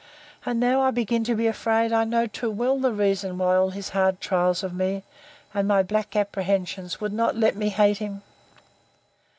—And now I begin to be afraid I know too well the reason why all his hard trials of me, and my black apprehensions, would not let me hate him.